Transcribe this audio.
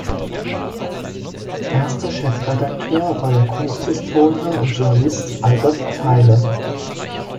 Erster Chefredakteur war der Kunsthistoriker und Journalist Albert Theile.